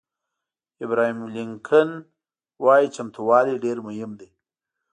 ابراهیم لینکلن وایي چمتووالی ډېر مهم دی.